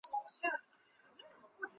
与鞘磷脂通称鞘脂。